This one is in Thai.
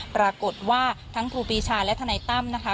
ปรากฏว่าทั้งครูปีชาและทนายตั้มนะคะ